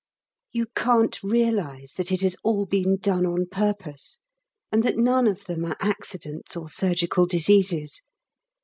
You can't realise that it has all been done on purpose, and that none of them are accidents or surgical diseases.